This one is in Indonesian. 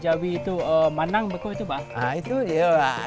jawi itu manang begitu itu pak